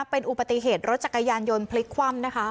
เป็นอุปติเหตุรถจักรยานยนต์พลิกคว่ำนะคะ